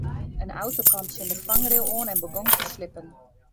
In auto kaam tsjin de fangrail oan en begûn te slippen.